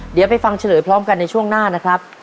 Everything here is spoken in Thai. เดี๋ยวไปฟังเฉลยพร้อมกันในช่วงหน้านะครับ